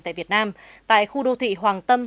tại việt nam tại khu đô thị hoàng tâm